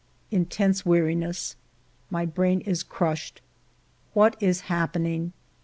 Intense weariness ! My brain is crushed. What is happening?